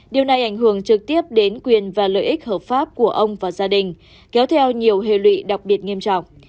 điều này ảnh hưởng trực tiếp đến quyền và lợi ích hợp pháp của ông và gia đình kéo theo nhiều hệ lụy đặc biệt nghiêm trọng